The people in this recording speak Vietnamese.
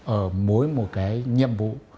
ở mỗi một cái nhiệm vụ